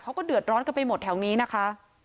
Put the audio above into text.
เขาก็เดือดร้อนกันไปหมดแถวนี้นะคะ